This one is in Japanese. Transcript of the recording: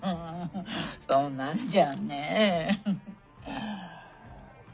そんなんじゃね。